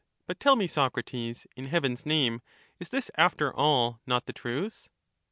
But tell me, Socrates, in heaven's name, is this, sooute^ after all, not the truth ?